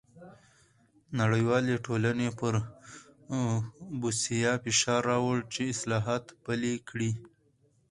نړیوالې ټولنې پر بوسیا فشار راووړ چې اصلاحات پلي کړي.